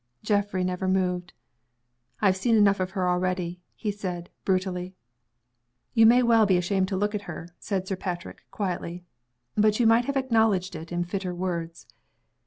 Geoffrey never moved. "I've seen enough of her already," he said, brutally. "You may well be ashamed to look at her," said Sir Patrick, quietly. "But you might have acknowledged it in fitter words.